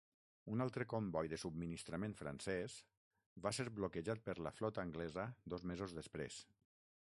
Un altre comboi de subministrament francès va ser bloquejat per la flota anglesa dos mesos després.